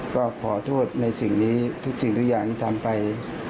ก็ขอโทษในสิ่งนี้ทุกสิ่งทุกอย่างที่ทำไป